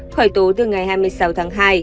khởi tố từ ngày hai mươi sáu tháng hai